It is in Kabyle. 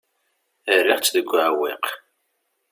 Rriɣ-t deg uɛewwiq.